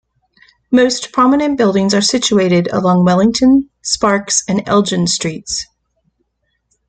Most prominent buildings are situated along Wellington, Sparks and Elgin streets.